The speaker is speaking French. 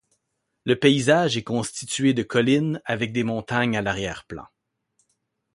Le paysage est constitué de collines, avec des montagnes à l'arrière-plan.